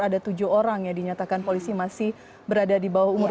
ada tujuh orang yang dinyatakan polisi masih berada di bawah umur